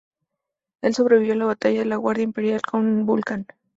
Él sobrevivió a la batalla de la Guardia Imperial con Vulcan.